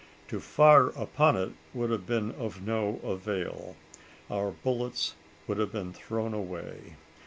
To fire upon it would have been of no avail: our bullets would have been thrown away.